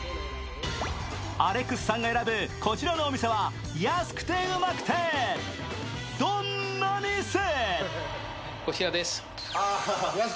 アレックスさんが選ぶこちらのお店は安くてウマくて、どんな店？